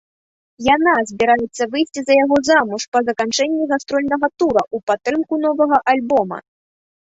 Яна збіраецца выйсці за яго замуж па заканчэнні гастрольнага тура ў падтрымку новага альбома.